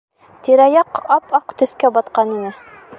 Тирә-яҡ ап-аҡ төҫкә батҡан ине.